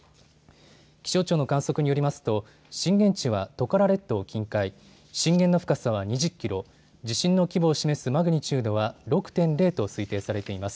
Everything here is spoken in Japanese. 気象庁の観測によりますと震源地はトカラ列島近海、震源の深さは２０キロ、地震の規模を示すマグニチュードは６．０と推定されています。